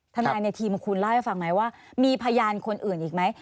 ทนายในทีมคุณเล่าให้ฟังไหมว่ามีพยานคนอื่นอีกไหม